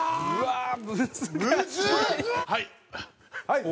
はい。